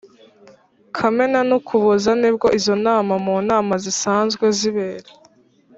kamena n ukuboza nibwo izo nama mu nama zisanzwe zibera